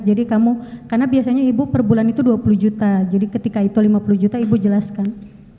jadi kamu karena biasanya ibu perbulan itu dua puluh juta jadi ketika itu lima puluh juta ibu jelaskan